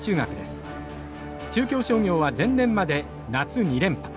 中京商業は前年まで夏２連覇。